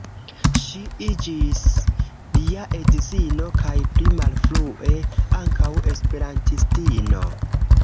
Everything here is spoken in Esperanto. Ŝi iĝis lia edzino kaj pli malfrue ankaŭ esperantistino.